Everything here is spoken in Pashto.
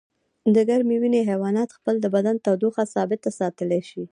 د ګرمې وینې حیوانات خپل د بدن تودوخه ثابته ساتلی شي